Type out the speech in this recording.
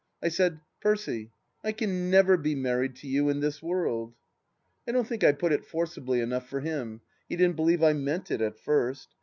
I said :" Percy, I can never be married to you in this world." I don't think I put it forcibly enough, for him ; he didn't believe I meant it, at first.